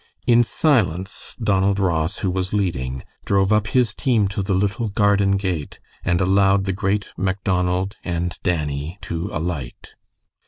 In silence Donald Ross, who was leading, drove up his team to the little garden gate and allowed the great Macdonald and Dannie to alight.